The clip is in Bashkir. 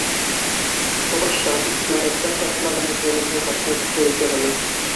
Һуғыштан, снарядтар шартлаған ерҙән иҫән ҡайтҡан кеше әйтә быны.